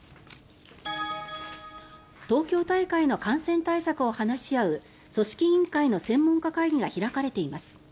東京大会の感染対策を話し合う組織委員会の専門家会議が開かれています。